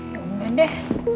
ya udah deh